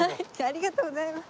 ありがとうございます。